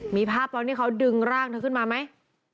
มีภาพตอนที่เขาดึงร่างเธอขึ้นมาไหม